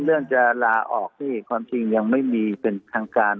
เรื่องจะลาออกนี่ความจริงยังไม่มีเป็นทางการ